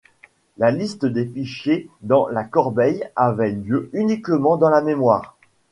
La liste des fichiers dans la corbeille avaient lieu uniquement dans la mémoire.